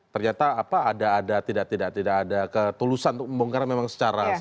ternyata apa ada ada tidak tidak tidak ada ketulusan untuk membongkarnya memang secara